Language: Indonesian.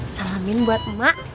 salamin buat emak